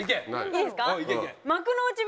いいですか？